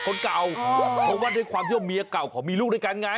คนเก่าเพราะว่าด้วยความที่ว่าเมียเก่าเขามีลูกด้วยกันไง